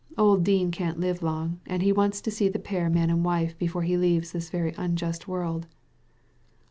Old Dean can't live long, and he wants to see the pair man and wife before he leaves this very unjust world."